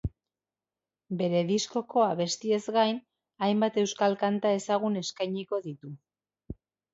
Bere diskoko abestiez gain, hainbat euskal kanta ezagun eskainiko ditu.